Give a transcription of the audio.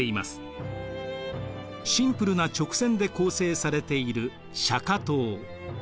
シンプルな直線で構成されている釈迦塔。